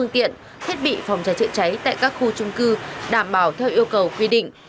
thiết bị phòng cháy chạy cháy tại các khu chung cư đảm bảo theo yêu cầu quy định